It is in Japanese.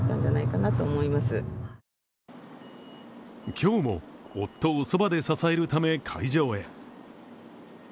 今日も夫をそばで支えるため会場へ。